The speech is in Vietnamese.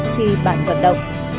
khi bạn vận động